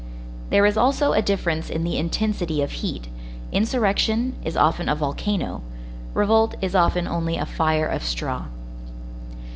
There is also a difference in the intensity of heat; insurrection is often a volcano, revolt is often only a fire of straw.